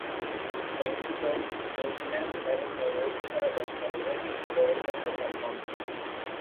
Mexico, New Zealand এবং নরওয়েতে সেরা দশ তালিকার ঠিক পরেই থাকে অ্যালবামটি।